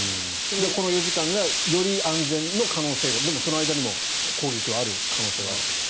この４時間がより安全の可能性がでもその間にも攻撃がある可能性がある。